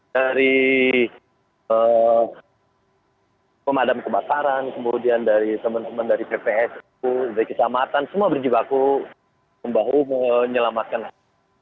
dari pemadam ke basaran kemudian dari teman teman dari pps dari keselamatan semua berjibaku membahu menyelamatkan air